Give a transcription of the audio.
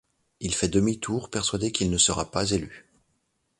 Il fait demi-tour, persuadé qu’il ne sera pas élu.